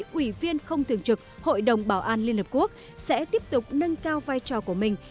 ủy viên không thường trực hội đồng bảo an liên hợp quốc sẽ tiếp tục nâng cao vai trò của mình